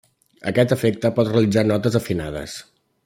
Aquest efecte pot realitzar notes afinades.